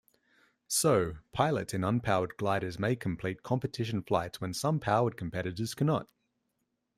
So, pilots in unpowered gliders may complete competition flights when some powered competitors cannot.